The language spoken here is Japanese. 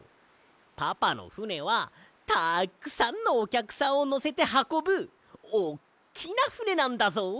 パパのふねはたっくさんのおきゃくさんをのせてはこぶおっきなふねなんだぞ。